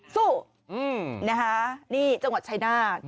สู้นะคะนี่จังหวัดชายนาฏ